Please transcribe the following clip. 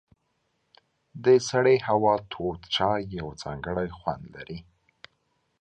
د سړې هوا تود چای یو ځانګړی خوند لري.